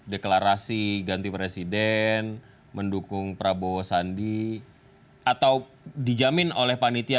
deklarasi ganti presiden mendukung prabowo sandi atau dijamin oleh panitia